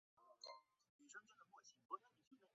此站位于正下方。